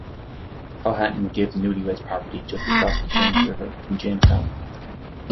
Powhatan gave the newlyweds property just across the James River from Jamestown.